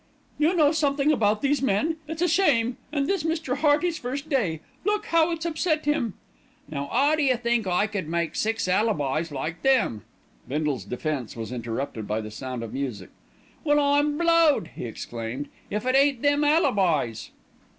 "You know something about these men. It's a shame, and this Mr. Hearty's first day. Look how it's upset him." "Now 'ow d'you think I could make six alibis like them " Bindle's defence was interrupted by the sound of music. "Well, I'm blowed!" he exclaimed, "if it ain't them alibis."